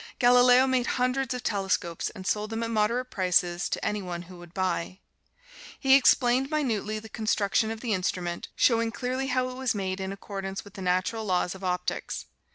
Galileo made hundreds of telescopes, and sold them at moderate prices to any one who would buy. He explained minutely the construction of the instrument, showing clearly how it was made in accordance with the natural laws of optics.